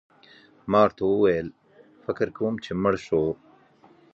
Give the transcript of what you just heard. ما ورته وویل: فکر کوم چي مړ شو.